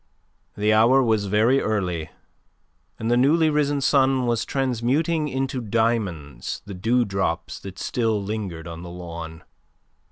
The hour was very early, and the newly risen sun was transmuting into diamonds the dewdrops that still lingered on the lawn.